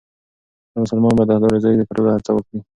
هر مسلمان باید د حلالې روزۍ د ګټلو هڅه وکړي.